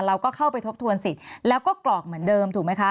เราก็เข้าไปทบทวนสิทธิ์แล้วก็กรอกเหมือนเดิมถูกไหมคะ